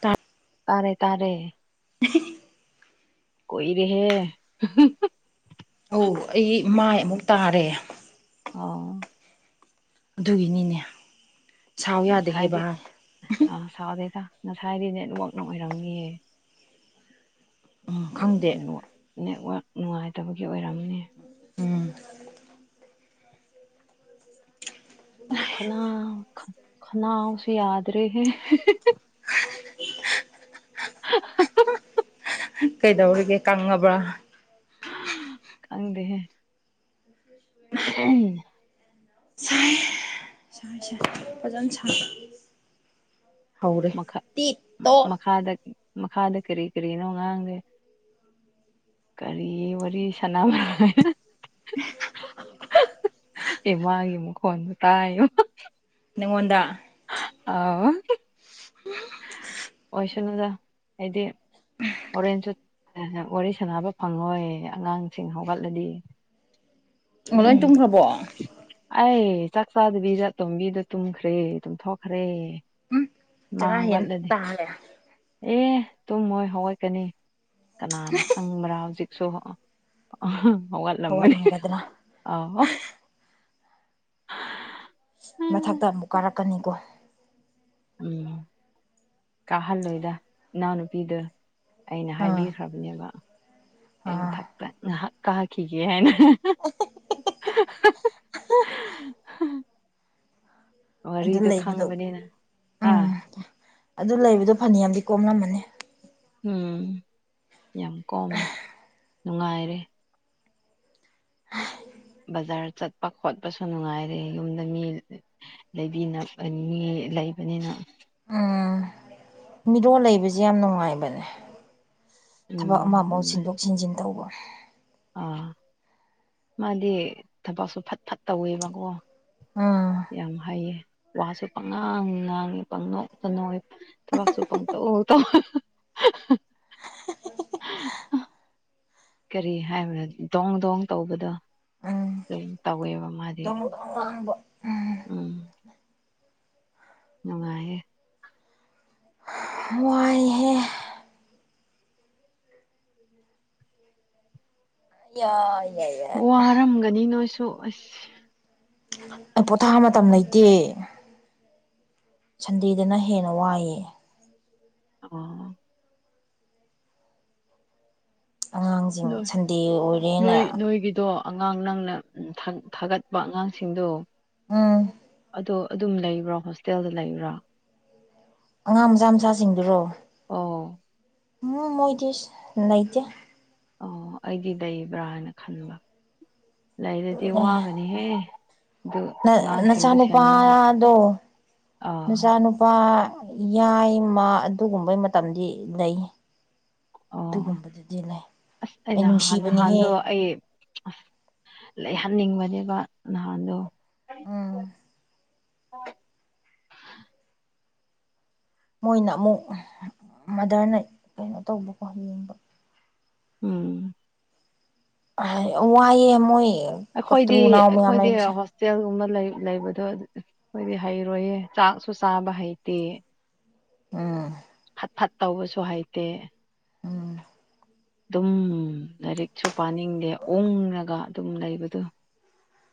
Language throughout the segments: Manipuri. ꯇꯥꯏ ꯇꯥꯔꯦ ꯇꯥꯔꯦ [unintelligible] ꯀꯨꯏꯔ‌ꯦꯍ‌ꯦ ꯑꯣ ꯑꯩ ꯃꯥꯏ ꯑꯃꯨꯛ ꯇꯥꯔꯦ ꯑꯣ ꯑꯗꯨꯒꯤꯅꯤꯅꯦ ꯁꯥꯎ ꯌꯥꯗꯦꯍꯦ ꯉꯁꯥꯏꯗꯤ ꯚꯥꯏ ꯑꯥ ꯁꯥꯎꯗꯦꯗ ꯉꯁꯥꯏꯗꯤ ꯅꯦꯠꯋꯥꯛꯅ ꯑꯣꯏꯔꯝꯅꯤꯌꯦ ꯎꯝ ꯈꯪꯗꯦ ꯅꯦꯠꯋꯛ ꯅꯨꯡꯉꯥꯏꯇꯕꯒꯤ ꯑꯣꯏꯔꯝꯅꯤ ꯎꯝ ꯈꯟꯅꯥꯎ ꯈꯟꯅꯥꯎꯁ‌ꯦ ꯌꯥꯗ꯭ꯔꯦꯍ‌ꯦ [unintelligible] ꯀꯩꯗꯧꯔꯤꯒꯦ ꯀꯪꯉꯕ꯭ꯔꯥ ꯈꯪꯗꯦꯍ‌ꯦ [unintelligible] ꯁꯥꯏ ꯁꯥꯏ ꯁꯥꯏ ꯐꯖꯅ ꯁ ꯍꯧꯔꯦ ꯃꯈꯥ ꯇꯤꯠ ꯇꯣꯛ ꯃꯈꯥꯗ ꯃꯈꯥꯗ ꯀꯔꯤ ꯀꯔꯤꯅꯣ ꯉꯥꯡꯒꯦ ꯀꯔꯤ ꯋꯥꯔꯤ ꯁꯟꯅꯥꯕ [unintelligible] ꯏꯃꯥꯒꯤ ꯃꯈꫭꯟꯗꫭ ꯇꯥꯏ ꯅꯥꯉꯣꯟꯗ ꯑꯥꯎ ꯑꯣꯏꯁꯅꯨꯗ ꯍꯥꯏꯗꯤ ꯍꫭꫪ‌ꯦꯟꯁꯨ ꯋꯥꯔꯤ ꯁꯥꯟꯅꯕ ꯐꯪꯉꯣꯏ ꯑꯉꯥꯡꯁꯤꯡ ꯍꯧꯒꯠꯂꯗꯤ ꯑꯣ ꯂꯣꯏ ꯎꯝ ꯇꯨꯝꯈ꯭ꯔꯕꯣ ꯑꯩ ꯆꯥꯛ ꯆꯥꯗꯕꯤꯗ ꯑꯇꯣꯝꯕꯤꯗꫭ ꯇꯨꯝꯈ꯭ꯔꯦ ꯇꯨꯝꯊꯣꯛꯈ꯭ꯔꯦ ꯎꯝ ꯃꯥ ꯆꯔꯥ ꯍ‌ꯦꯟ ꯍꯧꯒꯠꯂꯗꯤ ꯇꯥꯍꯜꯂ‌ꯦ ꯑꯦ ꯇꯨꯝꯃꯣꯏ ꯍꯧꯠꯀꯅꯤ ꯀꯅꯥꯅ ꯈꯪꯕ꯭ꯔꯥ ꯍꯧꯖꯤꯛ ꯁꯣ ꯍꯧꯒꯠꯂꯝꯒꯅꯤ ꯍꯧꯒꯠꯂꯝꯒꯗ꯭ꯔꯥ ꯑ ꯍꫭ [unintelligible] ꯃꯊꯛꯇ ꯑꯃꯨꯛ ꯀꯥꯔꯛꯀꯅꯤꯀꯣ ꯎꯝ ꯀꯥꯍꯜꯂꯣꯏꯗ ꯏꯅꯥꯎ ꯅꯨꯨꯄꯤꯗꫭ ꯑꯩꯅ ꯑꯥ ꯍꯥꯏꯕꯤꯈ꯭ꯔꯕꯅꯦꯕ ꯑꯩ ꯑꯥ ꯃꯊꯛꯇ ꯉꯥꯏꯍꯥꯛ ꯀꯥꯈꯤꯒꯦ ꯍꯥꯏꯅ [unintelligible] ꯑꯗꯨ ꯋꯥꯔꯤꯗꯣ ꯂꯩꯕꯗꯣ ꯈꯪꯕꯅꯤꯅ ꯎꯝ ꯑꯥ ꯑꯗꯨ ꯂꯩꯕꯗꯣ ꯐꯅ ꯌꯥꯝꯗꯤ ꯀꯣꯝꯂꯝꯃꯅꯤ ꯎꯝ ꯌꯥꯝ ꯀꯣꯝꯃꯦ ꯅꯨꯡꯉꯥꯏꯔꯦ ꯕꯖꯥꯔ ꯆꯠꯄ ꯈꯣꯠꯄꯁꯨ ꯅꯨꯡꯉꯥꯏꯔꯦ ꯌꯨꯝꯗ ꯃꯤ ꯂꯩꯕꯤꯅꯕ ꯃꯤ ꯂꯩꯕꯅꯤꯅ ꯎꯝ ꯃꯤꯔꯣꯜ ꯂꯩꯕꯁꯦ ꯌꯥꯝ ꯅꯨꯡꯉꯥꯏꯕꯅꯦ ꯎꯝ ꯊꯕꯛ ꯑꯃ ꯑꯃ ꯅꯨꯡꯉꯥꯏ ꯁꯤꯟꯗꯣꯛ ꯁꯤꯟꯖꯤꯟ ꯇꯧꯕ ꯑꯥ ꯃꯥꯗꯤ ꯊꯕꯛꯁꯨ ꯐꯠ ꯐꯠ ꯇꯧꯋꯦꯕꯀꯣ ꯎꯝ ꯌꯥꯝ ꯍꯥꯏꯌꯦ ꯋꯥꯁꯨ ꯄꯪꯉꯥꯡ ꯉꯥꯡꯉꯤ ꯄꯪꯅꯣꯛ ꯀ ꯅꯣꯛ ꯊꯕꯛꯁꯨ ꯄꯪꯇꯧ ꯇꯧ [unintelligible] ꯀꯔꯤ ꯍꯥꯏꯕꯅꯣ ꯗꯣꯡ ꯗꯣꯡ ꯇꯧꯕꯗꯣ ꯑꯗꯨꯝ ꯇꯧꯋꯦꯕ ꯃꯥꯗꯤ ꯥꯡ ꯎꯝ ꯉꯅꯨꯡꯉꯑꯦ ꯋꯥꯏꯍꯦ [unintelligible] ꯋꯥꯔꯝꯒꯅꯤ ꯅꯣꯏꯁꯨ ꯑꯁ ꯄꯣꯊꯥ ꯃꯇꯝ ꯂꯩꯇꯦ ꯁꯟꯗꯤꯦꯗꯅ ꯍꯦꯟꯅ ꯋꯥꯏꯑꯦ ꯑꯣ ꯑꯉꯥꯡꯁꯤꯡ ꯅꯣꯏ ꯁꯟꯗꯦ ꯅꯣꯏ ꯑꯣꯏꯔꯦꯅ ꯅꯣꯏꯒꯤꯗꯣ ꯑꯉꯥꯡ ꯅꯪꯅ ꯊꯥꯒꯠꯄ ꯑꯉꯥꯡꯁꯤꯡꯗꯣ ꯎꯝ ꯑꯗꯣ ꯑꯗꯨꯝ ꯂꯩꯕ꯭ꯔꯥ ꯍꯣꯁꯇꯦꯜꯗ ꯂꯩꯕ꯭ꯔꯥ ꯑꯉꯥꯡ ꯃꯆꯥ ꯃꯆꯥꯁꯤꯡꯗꯨꯔꯣ ꯑꯣ ꯎꯝ ꯃꯣꯏꯗꯤꯁ ꯅꯥꯏꯗꯌꯥ ꯑꯣ ꯑꯩꯗꯤ ꯂꯩꯕ꯭ꯔꯥ ꯍꯥꯏꯅ ꯈꯟꯕ ꯂꯩꯔꯗꯤ ꯋꯥꯒꯅꯤꯍꯦ ꯑꯗꯨ ꯑꯉꯥꯡꯁꯤꯡꯗꯣ ꯁꯦꯟꯅꯔꯗꯤ ꯅꯆꯥꯅꯨꯄꯥꯗꯣ ꯑꯥ ꯅꯆꯥꯅꯨꯄꯥ ꯌꯥꯏꯃ ꯑꯗꯨꯒꯨꯝꯕꯩ ꯃꯇꯝꯗꯤ ꯂꯩ ꯑꯣ ꯑꯗꯨꯒꯨꯝꯕꯗꯨꯗꯤ ꯂꯩ ꯑꯁ ꯑꯩ ꯅꯍꯥꯟ ꯅꯨꯡꯁꯤꯕꯅꯤꯍꯦ ꯂꯩꯍꯟꯅꯤꯡꯕꯅꯦꯀꯣ ꯅꯍꯥꯟꯗꯣ ꯍ ꯎꯝ ꯃꯣꯏꯅ ꯑꯃꯨꯛ ꯃꯥꯗꯔꯅ ꯀꯩꯅꯣ ꯇꯧꯕꯀꯣ ꯌꯦꯡꯕ ꯎꯝ ꯋꯥꯏꯌꯦ ꯃꯣꯏ ꯑꯩꯈꯣꯏꯗꯤ ꯀꯛꯇ꯭ꯔꯨ ꯅꯥꯎ ꯃꯌꯥꯝ ꯑꯩꯈꯣꯏꯗꯤ ꯂꯩꯕꯁꯦ ꯍꯣꯁꯇꯦꯜꯒꯨꯝꯕ ꯂꯩ ꯂꯩꯕꯗꯣ ꯑꯩꯣꯏꯗꯤ ꯍꯩꯔꯣꯏꯌꯦꯦ ꯆꯥꯛꯁꯨ ꯆꯥꯕ ꯍꯩꯇꯦ ꯎꯝ ꯐꯠ ꯐꯠ ꯇꯧꯕꯁꯨ ꯍꯩꯇꯦ ꯎꯝ ꯑꯗꯨꯝ ꯂꯥꯏꯔꯤꯛꯁꯨ ꯄꯥꯅꯤꯡꯗꯦ ꯑꯣꯉꯒ ꯑꯗꯨꯝ ꯂꯩꯕꯗꯨ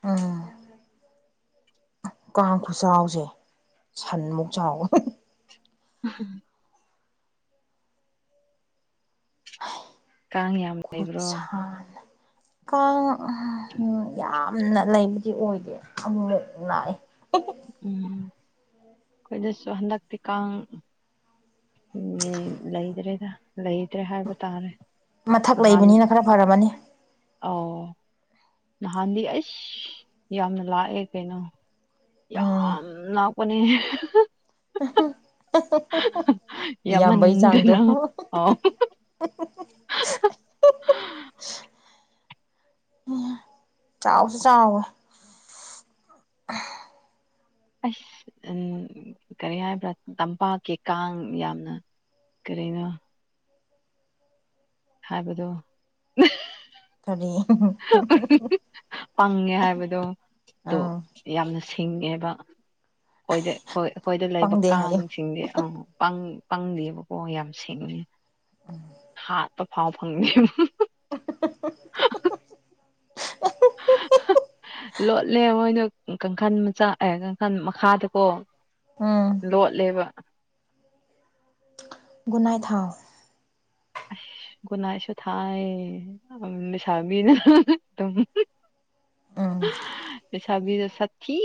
ꯑꯝ ꯀꯥꯡ ꯈꯨꯆꯥꯎꯁꯦ ꯁꯥꯟꯃꯨꯛ ꯆꯥꯎꯋꯦ ꯎꯝ ꯍꯨꯝ ꯀꯥꯡ ꯌꯥꯝ ꯂꯩꯕ꯭ꯔꯣ ꯀꯨꯁꯜ [inaudible] ꯀꯥꯡ [inaudible] ꯌꯥꯝꯅ ꯂꯩꯕꯒꯤ ꯑꯣꯏꯗꯦ ꯑꯃꯃꯨꯛ ꯂꯥꯛꯏ ꯎꯝ ꯑꯩꯈꯣꯏꯗꯁꯨ ꯍꯟꯗꯛꯇꯤ ꯀꯥꯡ ꯎ ꯂꯩꯗ꯭ꯔꯦꯗ ꯂꯩꯇ꯭ꯔꯦ ꯍꯥꯏꯕ ꯇꯥꯔꯦ ꯃꯊꯛ ꯅꯍꯥꯟ ꯂꯩꯕꯅꯤꯅ ꯈꯔ ꯐꯔꯕꯅꯤ ꯑꯧ ꯅꯍꯥꯟꯗꯤ ꯑꯩꯁ ꯌꯥꯝꯅ ꯂꯥꯛꯑꯦ ꯀꯩꯅꯣ ꯌꯥꯝ ꯂꯥꯛꯄꯅꯤ ꯌꯥꯝꯕꯩ ꯆꯥꯡꯗꯣ ꯌꯥꯝꯃꯟꯗꯅ ꯑꯣ [unintelligible] ꯆꯥꯎꯁꯨ ꯆꯥꯎꯈꯔꯦ ꯑꯁ ꯎ ꯀꯔꯤ ꯍꯥꯏꯕ꯭ꯔꯥ ꯇꯝꯄꯥꯛꯀꯤ ꯀꯥꯡ ꯌꯥꯝꯅ ꯀꯔꯤꯅꯣ ꯍꯥꯏꯕꯗꯣ ꯀꯔꯤ ꯄꯪꯉꯦ ꯍꯥꯏꯕꯗꯣ ꯗꯣ ꯑꯥ ꯌꯥꯝꯅ ꯁꯤꯡꯉꯦꯕ ꯑꯩꯈꯣꯏꯗ ꯑꯩꯈꯣꯏ ꯑꯩꯈꯣꯏꯗ ꯂꯩꯕ ꯄꯪꯗꯦ ꯍꯥꯏꯌꯨ ꯀꯥꯡꯁꯤꯡꯁꯦ ꯑ ꯄꯪ ꯄꯪꯗꯦꯕꯀꯣ ꯌꯥꯝ ꯁꯦꯡꯉꯦ ꯍꯥꯥꯠꯕ ꯐꯥꯎ ꯐꯪꯗꯦ [unintelligible] ꯂꯣꯠꯂꯦ ꯃꯣꯏꯅ ꯀꯥꯡꯈꯜ ꯃꯆꯥ ꯑꯦ ꯀꯥꯡꯈꯜ ꯃꯈꯥꯗꯀꯣ ꯎꯝ ꯂꯣꯂꯦꯕ ꯒꯨꯠꯅꯥꯥꯏꯠ ꯊꯥꯎ ꯑꯁ ꯒꯨꯠꯅꯥꯢꯠ ꯁꯨ ꯊꯥꯏ ꯂꯩꯁꯕꯤꯅꯥ ꯇꯨꯝ ꯑꯥꯝ ꯂꯩꯁꯥꯕꯤꯗ ꯁꯥꯛꯊꯤ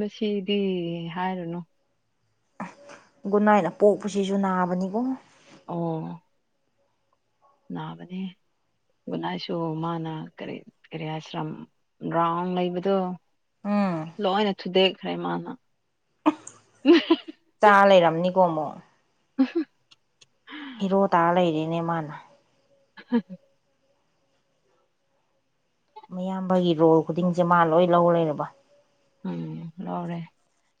ꯃꯁꯤꯗꯤ ꯍꯥꯏꯔꯨꯅꯣ ꯒꯨꯟꯅꯥꯏꯅ ꯄꯣꯛꯄꯁꯤꯁꯨ ꯅꯥꯕꯅꯤꯀꯣ ꯑꯣ ꯅꯥꯕꯅꯦ ꯒꯨꯠꯅꯥꯢꯁꯨ ꯃꯥꯅ ꯀꯔꯤ ꯀꯔꯤ ꯍꯥꯏꯁꯤꯔ ꯒ꯭ꯔꯥꯎꯟ ꯂꯩꯕꯗꯣ ꯎꯝ ꯂꯣꯏꯅ ꯊꯨꯗꯦꯛꯈ꯭ꯔꯦꯃꯅ ꯇꯥ ꯂꯩꯔꯝꯅꯤꯀꯣ ꯑꯃꯨꯛ ꯎꯝ ꯍꯨꯝ ꯍꯤꯔꯣ ꯇꯥꯔ ꯂꯩꯔꯤꯅꯦ ꯃꯥꯅ ꯍꯝ ꯃꯌꯥꯝꯕꯒꯤ ꯔꯣꯜ ꯈꯨꯗꯤꯡꯁꯤ ꯃꯥ ꯂꯣꯏ ꯂꯧ ꯂꯩꯔꯕ ꯎꯝ ꯂꯧꯎꯔꯦ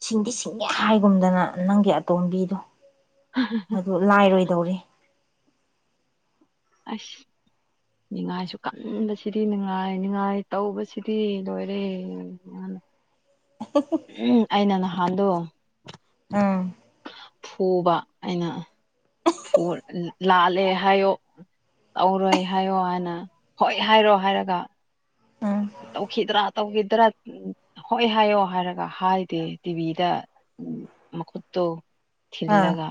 ꯁꯤꯡꯗꯤ ꯁꯤꯡꯉꯦ ꯍꯥꯏꯒꯨꯝꯗꯅ ꯅꯪꯒꯤ ꯑꯇꯣꯝꯕꯤꯗꯣ ꯃꯗꯨ ꯂꯥꯏꯔꯣꯏ ꯗꯧꯔꯤ ꯑꯥꯁ ꯅꯤꯡꯉꯥꯏꯁꯨ ꯀꯟꯕꯁꯤꯗꯤ ꯅꯤꯡꯉꯥꯏ ꯅꯤꯡꯉꯥꯏ ꯇꯧꯕꯁꯤꯗꯤ ꯂꯣꯏꯔꯦ ꯎꯝ [inaudible] [unintelligible] ꯑꯩꯅ ꯅꯍꯥꯟꯗꯣ ꯎꯝ ꯐꯨꯕ ꯑꯩꯅ ꯂꯥꯜꯂꯦ ꯍꯥꯏꯌꯣ ꯇꯧꯔꯣꯏ ꯍꯥꯏꯌꯣ ꯍꯥꯏꯅ ꯍꯣꯏ ꯍꯥꯏꯔꯣ ꯍꯥꯏꯔꯒ ꯎꯝ ꯇꯧꯈꯤꯗ꯭ꯔꯥ ꯇꯧꯈꯤꯗ꯭ꯔꯥ ꯍꯣꯏ ꯍꯥꯏꯌꯣ ꯍꯥꯏꯔꯒ ꯍꯥꯏꯗꯦ ꯇꯤꯚꯤꯗ ꯎꯝ ꯃꯈꯠꯇꯣ ꯑꯥ ꯊꯤꯜꯂꯒ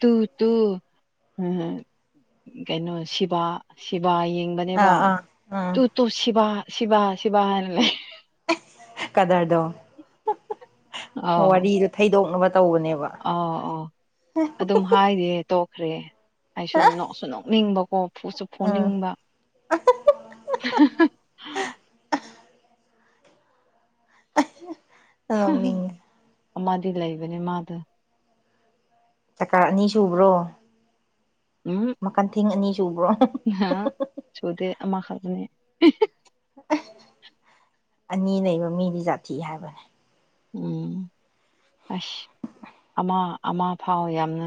ꯇꯨ ꯇꯨ ꯀꯩꯅꯣ ꯁꯤꯕꯥ ꯁꯤꯕꯥ ꯑꯥ ꯕꯅꯦꯕ ꯑꯥ ꯎꯝ ꯇꯨ ꯇꯨ ꯁꯤꯚ ꯁꯤꯚ ꯁꯤꯚ ꯍꯥꯏꯅ ꯂꯩ ꯀꯗꯔꯗꯣ ꯋꯥꯔꯤꯗꯣ ꯊꯩꯗꯣꯛꯅꯕ ꯇꯧꯕꯅꯦꯕ ꯑꯥꯎ ꯑ ꯑꯗꯨꯝ ꯍꯥꯏꯔꯤꯦ ꯇꯣꯛꯈ꯭ꯔꯦ ꯑꯩꯁꯨꯁꯨ ꯅꯣꯛꯅꯤꯡꯕ ꯠꯁꯨ ꯎꯝ ꯐꯣꯟꯅꯤꯡꯕ ꯑ ꯑꯃꯗꯤ ꯂꯩꯕꯅꯦ ꯃꯥꯗ ꯆꯀꯥꯔ ꯑꯅꯤ ꯁꯨꯕ꯭ꯔꯣ ꯃꯈꯟꯊꯦꯡ ꯑꯅꯤ ꯁꯨꯕ꯭ꯔꯣ ꯍꯥ ꯁꯣꯗꯦ ꯑꯃ ꯈꯔꯅꯤ ꯑꯅꯤ ꯂꯩꯕ ꯃꯤꯗꯤ ꯖꯥꯊꯤ ꯍꯥꯏꯕꯅꯦ ꯎꯝ ꯑꯁ ꯑꯃ ꯑꯃ ꯐꯥꯎ ꯌꯥꯝꯅ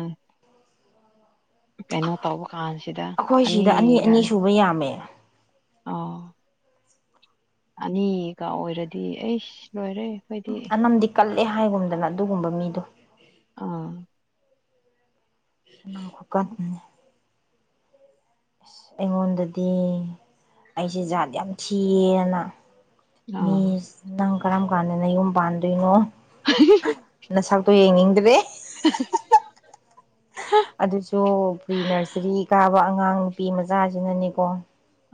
ꯀꯩꯅꯣ ꯇꯧꯕ ꯀꯥꯟꯁꯤꯗ ꯑꯩꯈꯣꯏ ꯁꯤꯗ ꯑꯅꯤ ꯑꯅꯤꯒ ꯑꯅꯤ ꯁꯨꯕ ꯌꯥꯝꯃꯦ ꯑ ꯑꯅꯤꯒ ꯑꯣꯏꯔꯗꯤ ꯑꯩꯁ ꯂꯣꯏꯔꯦ ꯑꯩꯈꯣꯏꯗꯤ ꯑꯅꯝꯗꯤ ꯀꯜꯂꯦ ꯍꯥꯏꯒꯨꯝꯗꯅ ꯑꯗꯨꯒꯨꯝꯕ ꯃꯤꯗꯣ ꯑꯥ ꯅꯝ ꯈꯨꯀꯟ ꯑꯃꯅꯦ ꯑꯁ ꯑꯩꯉꯣꯟꯗꯗꯤ ꯑꯩꯁꯦ ꯖꯥꯠ ꯌꯥꯝ ꯊꯤꯌꯦꯅ ꯑꯥ ꯃꯤꯁ ꯅꯪ ꯀꯔꯝ ꯀꯥꯟꯗ ꯅꯌꯨꯝ ꯄꯥꯟꯗꯣꯏꯅꯣ ꯅꯁꯛꯇꯣ ꯌꯦꯗ꯭ꯔꯦ [inaudible] ꯑꯗꯨꯁꯨ ꯄ꯭ꯔꯤ ꯅꯔꯁꯔꯤ ꯀꯥꯕ ꯑꯉꯥꯡ ꯅꯨꯄꯤ ꯃꯆꯥꯁꯤꯡꯅꯅꯦꯀꯣ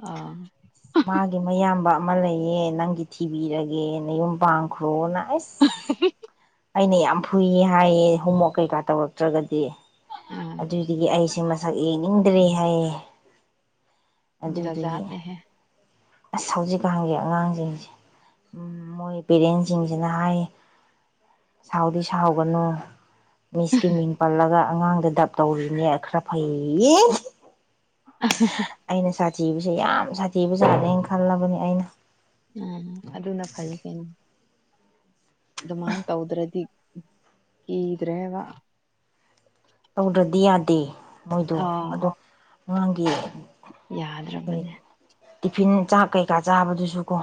ꯑꯥ ꯃꯥꯒꯤ ꯃꯌꯥꯝꯕ ꯑꯃ ꯂꯩꯌꯦ ꯅꯪꯒꯤ ꯊꯤꯕꯤꯔꯒꯦ ꯅꯌꯨꯝ ꯄꯥꯟꯈ꯭ꯔꯣꯅ ꯑꯁ ꯑꯩꯅ ꯌꯥꯝ ꯐꯨꯏꯌꯦ ꯍꯥꯏꯌꯦ ꯍꯣꯝꯋꯛ ꯀꯩꯀꯥ ꯇꯧꯔꯛꯇ꯭ꯔꯒꯗꯤ ꯑꯥ ꯑꯗꯨꯗꯒꯤ ꯑꯩꯁꯦ ꯃꯁꯛ ꯌꯦꯡꯅꯤꯡꯗ꯭ꯔꯦ ꯍꯥꯏꯌꯦ ꯖꯥ ꯑꯗꯨꯗꯨꯒꯤ ꯖꯥꯠꯅꯦꯍꯦ ꯑꯁ ꯍꯧꯖꯤꯛꯀꯥꯟꯒꯤ ꯑꯉꯥꯡꯁꯤꯡꯁꯦ ꯃꯣꯏ ꯄꯦꯔꯦꯟꯁ ꯁꯤꯡꯁꯤꯅ ꯍꯥꯏ ꯁꯥꯎꯗꯤ ꯁꯥꯎꯒꯅꯨ ꯃꯤꯁꯀꯤ ꯃꯤꯡ ꯄꯜꯂꯒ ꯑꯉꯥꯡꯗ ꯗꯞ ꯇꯧꯔꯤꯅꯦ ꯈꯔ ꯐꯩꯌꯦ ꯌꯦ [inaudible] ꯁꯥꯊꯤꯕꯁꯦ ꯌꯥꯝ ꯁꯥꯊꯤꯕꯖꯥꯠꯅꯦꯅ ꯈꯜꯂꯕꯅꯦ ꯑꯩꯅ ꯎꯝ ꯑꯗꯨꯅ ꯐꯩ ꯀꯩꯅꯣ ꯑꯗꯨꯃꯥꯏꯅ ꯇꯧꯗ꯭ꯔꯗꯤ ꯀꯤꯗ꯭ꯔꯦꯕ ꯇꯧꯗ꯭ꯔꯗꯤ ꯌꯥꯗꯦ ꯃꯣꯏꯗꯣ ꯑꯗꯣ ꯑꯥ ꯑꯉꯥꯡꯒꯤ ꯌꯥꯗ꯭ꯔꯕꯅꯦ ꯇꯤꯐꯤꯟ ꯆꯥꯛ ꯀꯩꯀꯥ ꯆꯥꯕꯗꯨꯁꯨ ꯀꯣ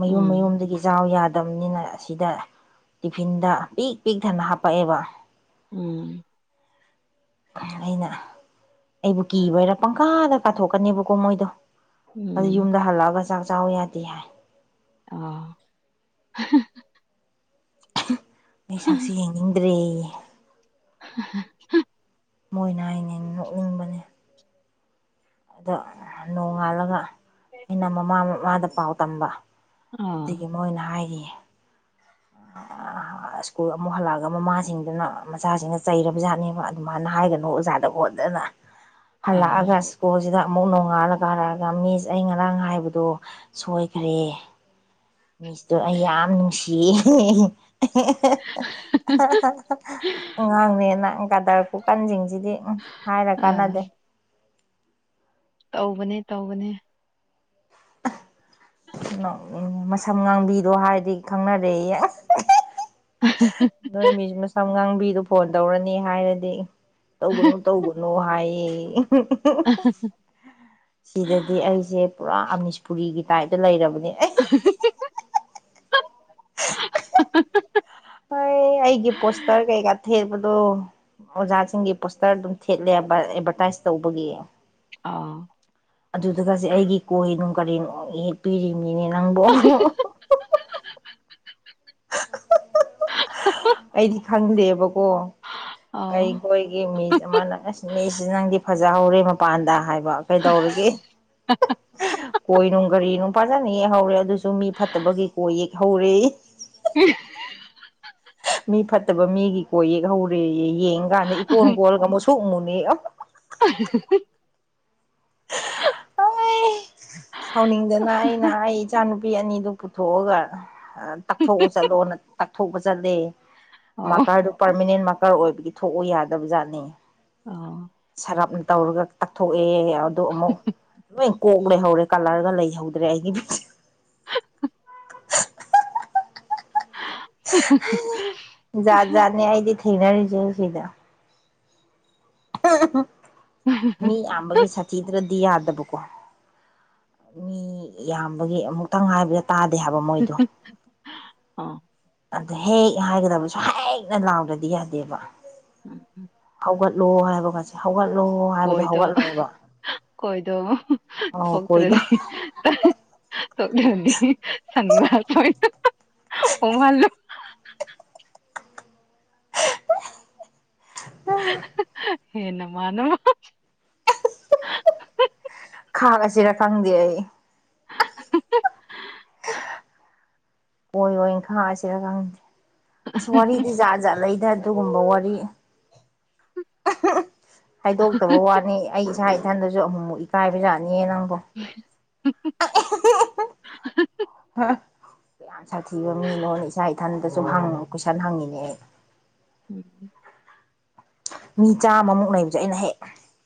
ꯃꯌꯨꯝ ꯎꯝ ꯃꯌꯨꯝꯗꯒꯤ ꯆꯥꯎ ꯌꯥꯗ ꯃꯇꯝꯅꯤꯅ ꯑꯁꯤꯗ ꯇꯤꯐꯤꯟꯗ ꯄꯤꯛ ꯄꯤꯛ ꯊꯟꯅ ꯍꯥꯞꯄꯛꯑꯦꯕ ꯎꯝ ꯑꯩꯅ ꯑꯩꯕꯨ ꯀꯤꯕꯩꯔꯥ ꯄꯪꯀꯥꯗ ꯀꯥꯊꯣꯛꯀꯅꯦꯕꯀꯣ ꯃꯣꯏꯗꯣ ꯑꯗꯨ ꯎꯝ ꯌꯨꯝꯗ ꯍꯜꯂꯛꯑꯒ ꯆꯥꯛ ꯆꯥꯎ ꯌꯥꯗꯦ ꯍꯥꯏ ꯑꯥ ꯑꯩ ꯁꯛꯁꯦ ꯌꯦꯡꯅꯤꯡꯗ꯭ꯔꯦꯌꯦ [inaudible] ꯃꯣꯏꯅ ꯍꯥꯏꯅꯦ ꯅꯣꯛꯅꯤꯡꯕꯅꯦ ꯑꯗꯣ ꯅꯣꯡꯉꯥꯜꯂꯒ ꯑꯩꯅ ꯃꯃꯥ ꯃꯃꯥꯗ ꯄꯥꯎ ꯇꯝꯕ ꯑꯥ ꯑꯗꯨꯒꯤ ꯃꯣꯏꯅ ꯍꯥꯏꯔꯤ ꯁ꯭ꯀꯨꯜ ꯑꯃꯨꯛ ꯍꯜꯂꯛꯑꯒ ꯃꯃꯥꯁꯤꯡꯗꯨꯅ ꯃꯆꯥꯁꯤꯡꯗ ꯆꯩꯔꯕꯖꯥꯠꯅꯦꯕ ꯑꯗꯨꯃꯥꯏꯅ ꯍꯥꯏꯒꯅꯨ ꯑꯣꯖꯥꯗ ꯈꯣꯠꯇꯅ ꯑꯥ ꯍꯜꯂꯛꯑꯒ ꯁ꯭ꯀꯨꯜꯁꯤꯗ ꯑꯃꯨꯛ ꯅꯣꯡꯉꯥꯜꯂ ꯀꯥꯔꯛꯑꯒ ꯃꯤꯁ ꯑꯩ ꯉꯔꯥꯡ ꯍꯥꯏꯕꯗꯣ ꯁꯣꯏꯈ꯭ꯔꯦ ꯃꯤꯁꯇꯣ ꯑꯩ ꯌꯥꯝ ꯅꯨꯡꯁꯤꯌꯦ [inaudible] ꯑꯉꯥꯡꯅꯦꯅ ꯒꯥꯗꯔ ꯈꯨꯀꯟꯁꯤꯡꯁꯤꯗꯤ ꯍꯥꯏꯔ ꯑꯥ ꯀꯥꯟꯅꯗꯦ ꯇꯧꯕꯅꯦ ꯇꯧꯕꯅꯦ [inaudible] ꯅꫭꯛꯅꯤꯡ ꯃꯁꯝ ꯉꯥꯡꯕꯤꯗꯣ ꯍꯥꯏꯔꯗꯤ ꯈꯪꯅꯔꯦꯌꯦ ꯑꯁ ꯅꯣꯏ ꯃꯤꯁ ꯃꯁꯝ ꯉꯥꯡꯕꯤꯗꯨ ꯐꯣꯟ ꯇꯧꯔꯅꯤ ꯍꯥꯏꯔꯗꯤ ꯇꯧꯒꯅꯨ ꯇꯧꯒꯅꯨ ꯍꯥꯏꯌꯦꯌꯦ ꯁꯤꯗꯗꯤ ꯑꯩꯁꯦ ꯄꯨꯔꯥ ꯑꯃꯅꯤꯁꯄꯨꯔꯤꯒꯤ ꯇꯥꯏꯞꯇ ꯂꯩꯔꯕ [inaudible] ꯍꫭꯏ ꯑꯩꯒꯤ ꯄꯣꯁꯇꯔ ꯀꯩꯀꯥ ꯊꯦꯕ ꯗꯣ ꯑꯣꯖꯥꯁꯤꯡꯒꯤ ꯄꯣꯁꯇꯔ ꯑꯗꯨꯝ ꯊꯦꯠꯂꯦꯕ ꯑꯦꯗꯚꯔꯇꯥꯏꯁ ꯇꯧꯕꯒꯤ ꯑꯥ ꯑꯗꯨꯗꯒꯁꯦ ꯑꯩꯒꯤ ꯀꯣꯏ ꯅꯨꯡ ꯀꯔꯤ ꯂꫭꯏ ꯌꯦꯛ ꯄꯤꯔꯤ ꯃꯤꯅꯤ ꯅꯪꯕꯣ [unintelligible] ꯑꯩꯗꯤ ꯈꯪꯗꯦꯕꯀꯣ ꯑꯥ ꯑꯩꯈꯣꯏꯒꯤ ꯃꯤ ꯑꯃꯅ ꯑꯁ ꯃꯤꯁꯤ ꯅꯪꯗꯤ ꯐꯖꯍꯧꯔꯦ ꯃꯄꯥꯟꯗ ꯍꯥꯏꯕ ꯀꯩꯗꯧꯔꯒꯦ ꯀꯣꯏꯅꯨꯡ ꯒꯥꯔꯤ ꯅꯨꯡꯄꯥꯖꯥꯅ ꯌꯦꯛꯍꯧꯔꯦ ꯑꯗꯨꯁꯨ ꯃꯤ ꯐꯠꯇꯕꯒꯤ ꯀꯣꯏ ꯌꯦꯛꯍꯧꯔꯦ ꯎꯝ ꯃꯤ ꯐꯠꯇꯕ ꯃꯤꯒꯤ ꯀꯣ ꯌꯦꯛ ꯍꯧꯧꯔꯦ ꯌꯦꯡ ꯀꯥꯟꯗ ꯏꯀꯣꯟ ꯀꯣꯜꯂꯒ ꯃꯨꯁꯨꯛ ꯃꯨ [unintelligible] [unintelligible] ꯁꯥꯎꯅꯤꯡꯗꯅ ꯑꯩꯅ ꯑꯩ ꯏꯆꯥꯅꯨꯄꯤ ꯑꯅꯤꯗꯨ ꯄꯨꯊꯣꯛꯑꯒ ꯇꯥꯛꯊꯣꯛꯑꯣ ꯆꯠꯂꯣ ꯇꯥꯛꯊꯣꯛꯄ ꯆꯠꯂꯦ ꯑꯣ ꯃꯥꯀꯥꯔꯗꯨ ꯄꯥꯔꯃꯤꯅꯦꯟ ꯗꯔꯀꯥꯔ ꯑꯣꯏꯕꯒꯤ ꯊꯣꯛꯎ ꯌꯥꯗꯕ ꯖꯥꯠꯅꯤ ꯑꯣ ꯁꯔꯞ ꯇꯧꯔꯒ ꯇꯛꯊꯣꯛꯑꯦ ꯑ ꯑꯃꯨꯛ ꯂꯣꯏ ꯀꯣꯛ ꯂꯩꯍꯧꯔꯦ ꯀꯂꯔꯒ ꯂꯩꯍꯧꯗ꯭ꯔꯦ ꯑꯩꯒꯤꯗꯤ [unintelligible] [unintelligible] ꯖꯥꯠ ꯖꯥꯠꯅꯦ ꯑꯩꯗꯤ ꯊꯦꯡꯅꯔꯤꯁꯦ ꯁꯤꯗ ꯃꯤ ꯌꯥꯝꯕꯒꯤ ꯁꯥꯊꯤꯗ꯭ꯔꯗꯤ ꯌꯥꯗꯕꯀꯣ ꯃꯤ ꯌꯥꯝꯕꯒꯤ ꯑꯃꯨꯛꯇꯪ ꯉꯥꯏꯕꯗ ꯇꯥꯗꯦ ꯍꯥꯏꯕ ꯃꯣꯏꯗꯣ ꯑꯣ ꯑꯗꯨ ꯍꯦꯛ ꯍꯥꯏꯒꯗꯕꯁꯨ ꯍꯦꯛꯩꯅ ꯂꯥꯎꯗ꯭ꯔꯗꯤ ꯌꯥꯗꯦꯕ ꯎꯝ ꯍꯧꯒꯠꯂꯣ ꯍꯥꯏꯕꯒꯠꯁꯦ ꯍꯧꯒꯠꯂꯣ ꯍꯥꯏꯕꯗꯣ ꯀꯣꯏꯗꯣ ꯍꯧꯒꯠꯂꯣꯏꯑꯕ ꯀꯣꯏꯗꯣ ꯊꯣꯛꯇ꯭ꯔꯅꯤ ꯇꯧꯗꯤ ꯁꯅꯤ ꯃꯥꯔꯁꯨ ꯍ ꯃꯥꯜꯂ ꯍꯦꯟꯅꯃ ꯅꯃ ꯈꯥꯒꯁꯤꯔ ꯈꯪꯗ ꯑꯩ ꯑꯣꯏꯔꯣꯏꯅ ꯈꯪꯔꯁꯤꯔ ꯈꯪꯗꯦ ꯑꯁ ꯋꯥꯔꯤꯗꯤ ꯖꯥꯠ ꯖꯥꯠ ꯂꯩ ꯑꯗꯨꯒꯒꯨꯝꯕ ꯋꯥꯔꯤ ꯍꯥꯏꯗꯣꯛꯇꯕ ꯋꯥꯅꯤ ꯑꯩ ꯏꯁꯥ ꯏꯊꯟꯗꯁꯨ ꯑꯃꯍꯨꯝꯃꯨꯛ ꯏꯀꯥꯏꯕꯖꯥꯠꯅꯤ ꯅꯪꯒꯣ ꯌꯥꯝ ꯌꯥꯝ ꯁꯥꯊꯤꯕ ꯃꯤꯅꯣꯅ ꯏꯆꯥ ꯏꯊꯟꯗꯁꯨ ꯍꯪꯉ ꯀ ꯏꯁꯅ ꯍꯪꯉꯤꯅꯦ ꯑꯩ ꯎ ꯃꯤ ꯆꯥꯝꯃꯃꯨꯛ ꯂꯩꯩꯕꯁꯦ ꯑꯩꯅ ꯍꯦꯛ